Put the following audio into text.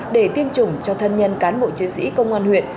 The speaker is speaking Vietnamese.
để tiêm chủng cho thân nhân cán bộ chiến sĩ công an huyện